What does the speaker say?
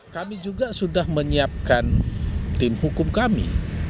kami juga sudah menyiapkan tim hukum kami